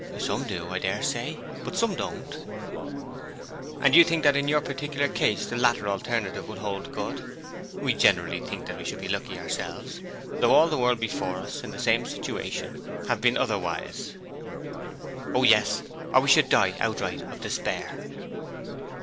'Some do, I dare say. But some don't.' 'And you think that in your particular case the latter alternative will hold good? We generally think we shall be lucky ourselves, though all the world before us, in the same situation, have been otherwise.' 'O yes, or we should die outright of despair.'